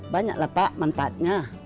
banyaklah pak manfaatnya